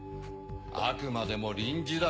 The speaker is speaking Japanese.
あくまでも臨時だ。